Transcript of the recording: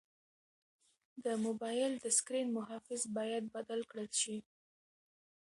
د موبایل د سکرین محافظ باید بدل کړل شي.